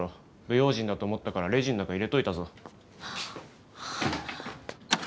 不用心だと思ったからレジの中入れといたぞ。